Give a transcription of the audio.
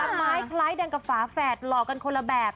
ไม้คล้ายดังกับฝาแฝดหล่อกันคนละแบบ